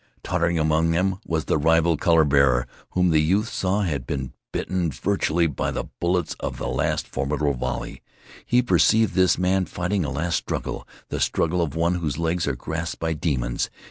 Tottering among them was the rival color bearer, whom the youth saw had been bitten vitally by the bullets of the last formidable volley. He perceived this man fighting a last struggle, the struggle of one whose legs are grasped by demons.